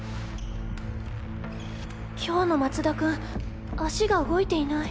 今日の松田君足が動いていない。